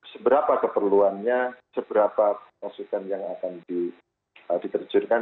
seberapa keperluannya seberapa masukan yang akan diterjunkan